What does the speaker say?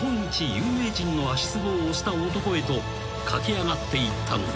有名人の足つぼを押した男へと駆け上がっていったのだ］